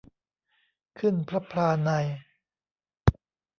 ขึ้นพลับพลาใน